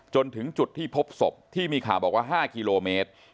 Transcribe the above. จนถึงจุดที่พบศพที่มีข่าวบอกว่า๕กิโลเมตร